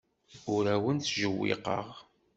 Ur awent-ttjewwiqeɣ.